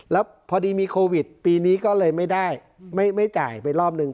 แล้วพอดีมีโควิดปีนี้ก็เลยไม่ได้ไม่จ่ายไปรอบนึง